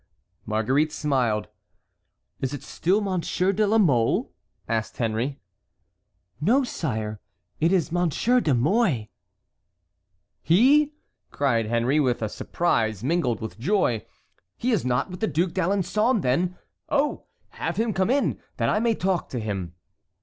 Marguerite smiled. "Is it still Monsieur de la Mole?" asked Henry. "No, sire, it is Monsieur de Mouy." "He?" cried Henry with surprise mingled with joy. "He is not with the Duc d'Alençon, then? Oh! have him come in, that I may talk to him."